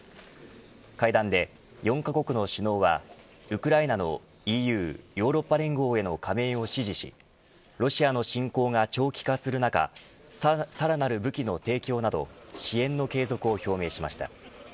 会談で４カ国の首脳はウクライナのＥＵヨーロッパ連合への加盟を支持しロシアの侵攻が長期化する中さらなる武器の提供など支援の継続を表明しました。